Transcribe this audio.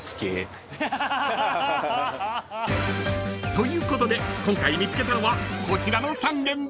［ということで今回見つけたのはこちらの３軒でした］